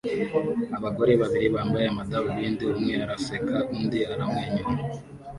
Abagore babiri bambaye amadarubindi umwe araseka undi aramwenyura